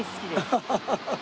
ハハハハハ。